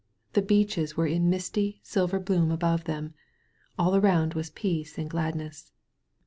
The beeches were in misty, silver bloom above them. All around was peace and gladness.